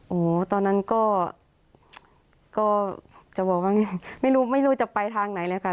โหตอนนั้นก็จะบอกว่าไม่รู้จะไปทางไหนเลยค่ะ